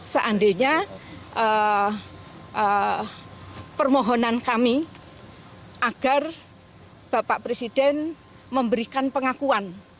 seandainya permohonan kami agar bapak presiden memberikan pengakuan